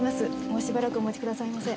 もうしばらくお待ちくださいませ。